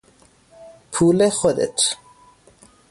پول خودت